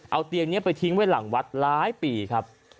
เอาเตียงนี้ไปทิ้งไว้หลังวัดหลายปีครับ